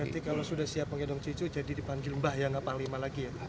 berarti kalau sudah siap mengendong cucu jadi dipanggil mbah yang apalima lagi ya